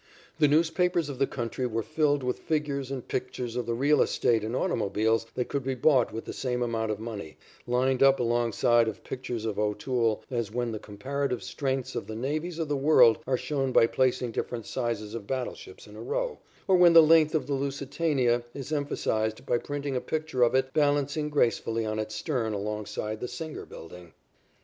The newspapers of the country were filled with figures and pictures of the real estate and automobiles that could be bought with the same amount of money, lined up alongside of pictures of O'Toole, as when the comparative strengths of the navies of the world are shown by placing different sizes of battleships in a row, or when the length of the Lusitania is emphasized by printing a picture of it balancing gracefully on its stern alongside the Singer Building.